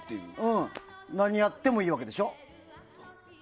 何やってもいいわけでしょ。